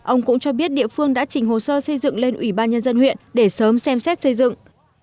ông cũng cho biết địa phương đã trình hồ sơ xây dựng lên ủy ban nhân dân huyện để sớm xem xét xây dựng